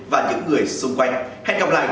và những người xung quanh hẹn gặp lại